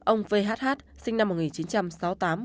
ông v h h sinh năm một nghìn chín trăm sáu mươi tám